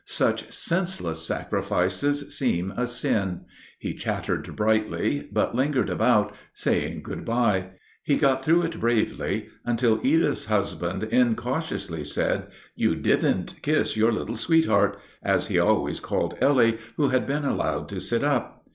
Such senseless sacrifices seem a sin. He chattered brightly, but lingered about, saying good by. He got through it bravely until Edith's husband incautiously said, "You didn't kiss your little sweetheart," as he always called Ellie, who had been allowed to sit up.